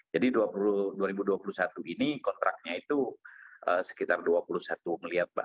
jadi dua ribu dua puluh satu ini kontraknya itu sekitar dua puluh satu melihat mbak